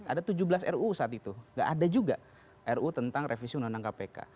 ada tujuh belas ruu saat itu gak ada juga ruu tentang revisi undang undang kpk